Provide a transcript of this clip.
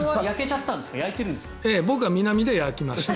僕は南で焼きました。